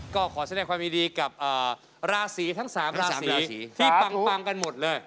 ก็ขอแสดงความยินดีกับราศีทั้ง๓ราศีที่ปังกันหมดเลย